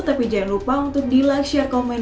tapi jangan lupa untuk di live share comment